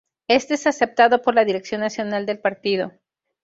Éste es aceptado por la Dirección Nacional del partido.